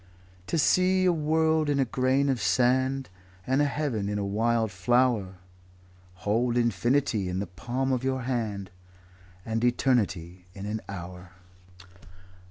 'To see a world in a grain of sand, And a heaven in a wild flower; Hold infinity in the palm of your hand, And eternity in an hour'."